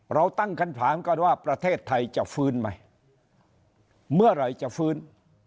เราตั้งคำถามกันว่าประเทศไทยจะฟื้นไหมเมื่อไหร่จะฟื้น